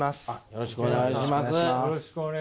よろしくお願いします。